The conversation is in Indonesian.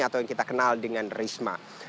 atau yang kita kenal dengan risma